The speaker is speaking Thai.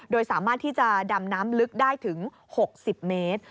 โดยสามารถที่จะดำน้ำลึกได้ถึง๖๐เมตร